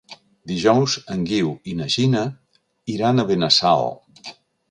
Dijous en Guiu i na Gina iran a Benassal.